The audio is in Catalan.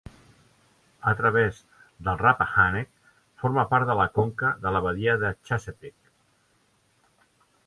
A través del Rappahannock, forma part de la conca de la Badia de Chesapeake.